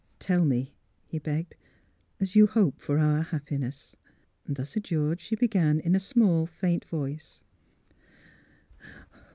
'' Tell me," he begged, "— as you hope for our happiness! " Thus adjured, she began, in a small, faint voice.